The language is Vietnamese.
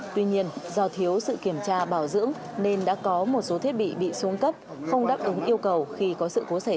tuy nhiên do thiếu sự kiểm tra bảo dưỡng nên đã có một số thiết bị bị xuống cấp không đáp ứng yêu cầu khi có sự cố xảy ra